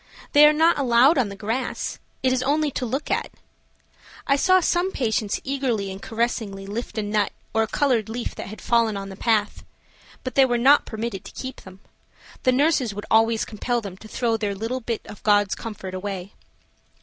They are not allowed on the grass–it is only to look at. I saw some patients eagerly and caressingly lift a nut or a colored leaf that had fallen on the path. But they were not permitted to keep them. The nurses would always compel them to throw their little bit of God's comfort away.